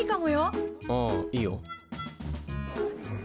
ああいいよ。